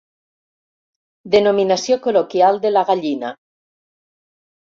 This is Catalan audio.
Denominació col·loquial de la gallina.